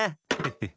ヘッ！